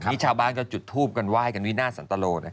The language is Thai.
นี่ชาวบ้านก็จุดทูบกันไห้กันวินาทสันตโล